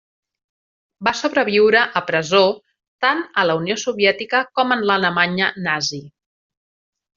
Va sobreviure a presó, tant a la Unió Soviètica com en l'Alemanya nazi.